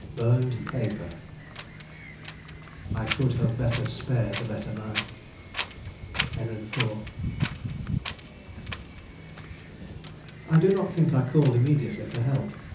BURNED PAPER "I could have better spared a better man." Henry IV. I do not think I called immediately for help.